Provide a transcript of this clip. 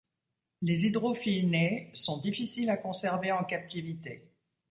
Les Hydrophiinae sont difficiles à conserver en captivité.